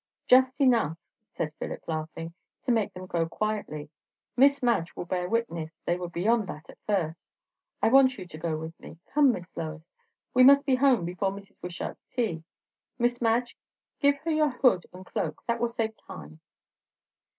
"Just enough," said Philip, laughing, "to make them go quietly. Miss Madge will bear witness they were beyond that at first. I want you to go with me. Come, Miss Lois! We must be home before Mrs. Wishart's tea. Miss Madge, give her your hood and cloak; that will save time."